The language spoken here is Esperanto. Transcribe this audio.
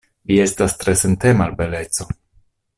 Vi estas tre sentema al beleco.